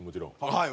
はい。